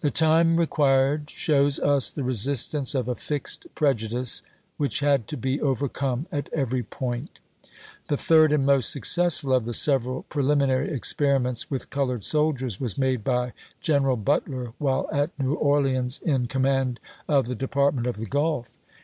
The time required shows us the resistance of a fixed prejudice which had to be overcome at every point. The third and most successful of the several pre liminary experiments with colored soldiers was made by General Butler while at New Orleans in command of the Department of the Grulf.